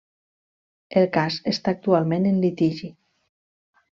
El cas està actualment en litigi.